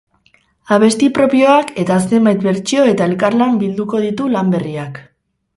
Abesti propioak eta zenbait bertsio eta elkarlan bilduko ditu lan berriak.